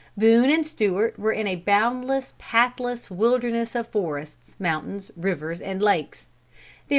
Boone and Stewart were in a boundless, pathless, wilderness of forests, mountains, rivers and lakes.